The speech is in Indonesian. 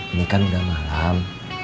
ini kan udah malam